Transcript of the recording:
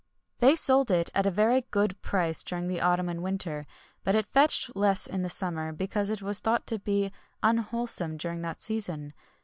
[XXI 105] They sold it at a very good price during the autumn and winter; but it fetched less in summer because it was thought to be unwholesome during that season.